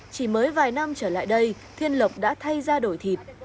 chỉ mới vài năm trở lại đây thiên lộc đã thay ra đổi thịt